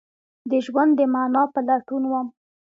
د ژوند د معنی په لټون وم